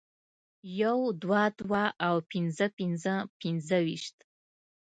يو دوه دوه او پنځه پنځه پنځویشت